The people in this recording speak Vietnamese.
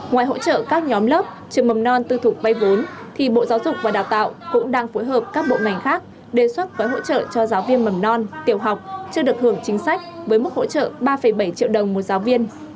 ngoài hỗ trợ các nhóm lớp trường mầm non tư thục bay vốn thì bộ giáo dục và đào tạo cũng đang phối hợp các bộ ngành khác đề xuất với hỗ trợ cho giáo viên mầm non tiểu học chưa được hưởng chính sách với mức hỗ trợ ba bảy triệu đồng một giáo viên